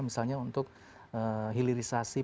misalnya untuk hilirisasi